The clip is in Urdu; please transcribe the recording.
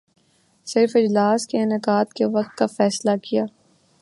صرف اجلاس کے انعقاد کے وقت کا فیصلہ کیا